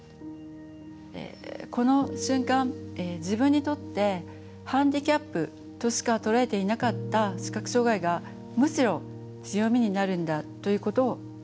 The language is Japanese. この瞬間自分にとってハンディキャップとしか捉えていなかった視覚障害がむしろ強みになるんだということを知りました。